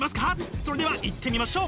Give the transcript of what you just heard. それではいってみましょう！